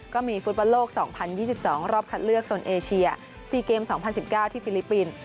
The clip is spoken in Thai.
ฟุตบอลโลก๒๐๒๒รอบคัดเลือกโซนเอเชีย๔เกม๒๐๑๙ที่ฟิลิปปินส์